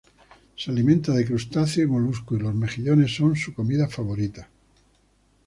Se alimenta de crustáceos y moluscos, y los mejillones son su comida favorita.